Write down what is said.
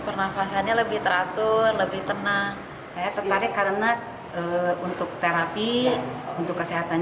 pernafasannya lebih teratur lebih tenang saya tertarik karena untuk terapi untuk kesehatan